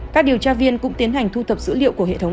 các điều tra viên cũng tiến hành thu thập dữ liệu của hệ thống